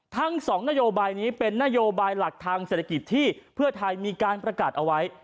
ทั้งสองนโยบายนี้เป็นนโยบายหลักทางเศรษฐกิจที่เพื่อไทยมีการประกาศเอาไว้